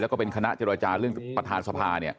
แล้วก็เป็นคณะเจรจาเรื่องประธานสภา